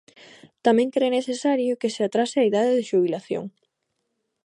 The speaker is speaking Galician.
Tamén cre necesario que se atrase a idade de xubilación.